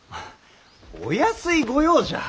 お安い御用じゃ！